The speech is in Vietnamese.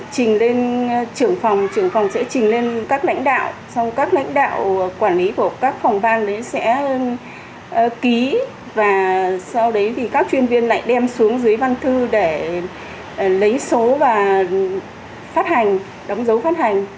chúng tôi sẽ xuống dưới văn thư để lấy số và phát hành đóng dấu phát hành